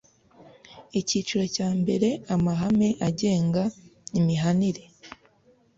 Icyiciro cya mbere Amahame agenga imihanire